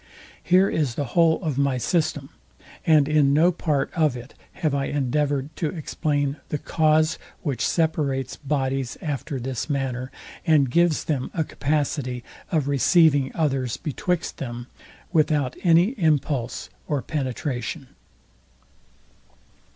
Here is the whole of my system; and in no part of it have I endeavoured to explain the cause, which separates bodies after this manner, and gives them a capacity of receiving others betwixt them, without any impulse or penetration.